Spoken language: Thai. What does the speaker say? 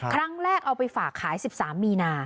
ครั้งแรกเอาไปฝากขาย๑๓มีนา